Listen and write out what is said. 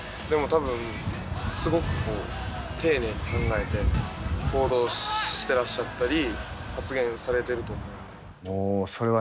でもたぶん、すごく丁寧に考えて行動してらっしゃったり、発言されていると思います。